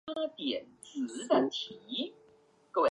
苏联和芬兰民主共和国之间和睦相处关系。